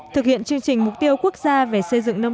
thực hiện chương trình mục tiêu quốc gia về xây dựng nông